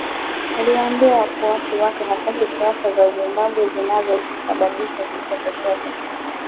Aliwaambia wafuasi wake hataki siaza za Zimbabwe zisababishe kifo chochote